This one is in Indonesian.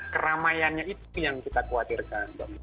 keramaiannya itu yang kita khawatirkan